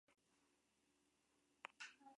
Batallón Bielorruso de Minsk".